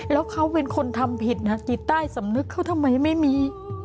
แล้วเขาเป็นคนทำผิดนะจิตใต้สำนึกเขาทำไมไม่มี